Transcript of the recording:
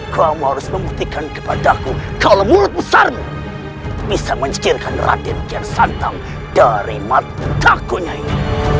kamu harus membuktikan kepadaku kalau mulut besarmu bisa menjengkelkan raden kiansantak dari mata kunyanya